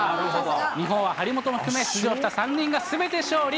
日本は張本含め、出場した３人がすべて勝利。